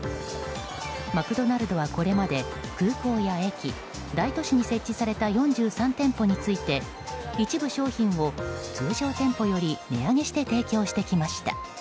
マクドナルドはこれまで空港や駅、大都市に設置された４３店舗について一部商品を通常店舗より値上げして提供してきました。